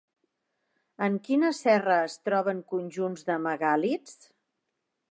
En quina serra es troben conjunts de megàlits?